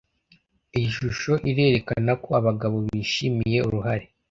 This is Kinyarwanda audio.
Iyi shusho irerekana ko abagabo bishimiye uruhare